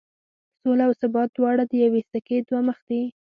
سوله او ثبات دواړه د یوې سکې دوه مخ دي.